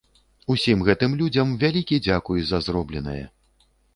Усім гэтым людзям вялікі дзякуй за зробленае.